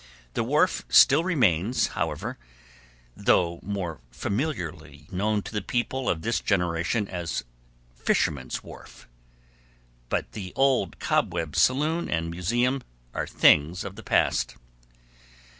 The wharf still remains, however, though more familiarly known to the people of this generation as "Fisherman's Wharf"; but the old cobweb saloon and museum are things of the past.